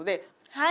はい。